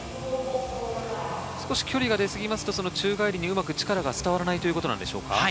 少し距離が出ますと宙返りに力が伝わらないということなんですか？